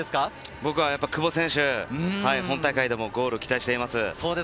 僕は久保選手、本大会でもゴールに期待しています。